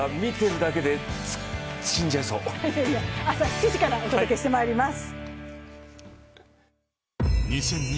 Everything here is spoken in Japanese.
朝７時からお届けしてまいります。